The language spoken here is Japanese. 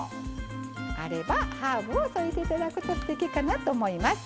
あればハーブを添えていただけるとすてきかなと思います。